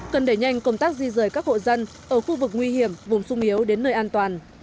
cần đẩy nhanh công tác di rời các hộ dân ở khu vực nguy hiểm vùng sung yếu đến nơi an toàn